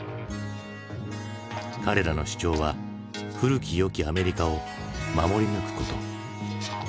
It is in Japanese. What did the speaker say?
彼らの主張は古き良きアメリカを守り抜くこと。